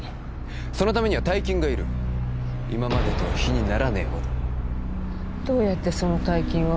そのためには大金がいる今までとは比にならねえほどどうやってその大金を？